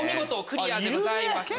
クリアでございます。